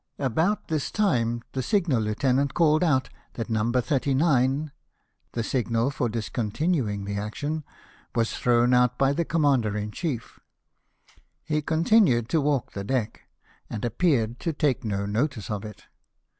About this time the signal lieutenant called out that No. 39 (the signal for discontinuing the action) was thrown out by the commander in chief He continued to walk the deck, and appeared to take no notice of it.